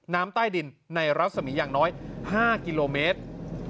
น้ำใต้ดินในรัศมีอย่างน้อย๕กิโลเมตร